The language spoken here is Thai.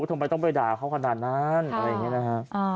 ทำไมต้องไปด่าเขาขนาดนั้นอะไรอย่างนี้นะฮะ